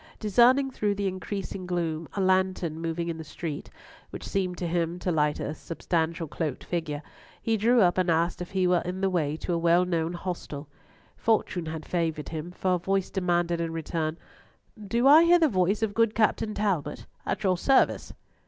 Discerning through the increasing gloom a lantern moving in the street which seemed to him to light a substantial cloaked figure, he drew up and asked if he were in the way to a well known hostel. Fortune had favoured him, for a voice demanded in return, "Do I hear the voice of good Captain Talbot? At your service."